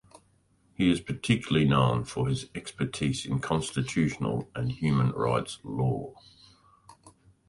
He is particularly known for his expertise in constitutional and human rights law.